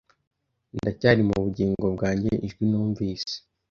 Ndacyari mu bugingo bwanjye ijwi numvise